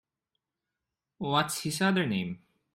What’s his other name?